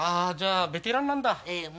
じゃあベテランなんだ。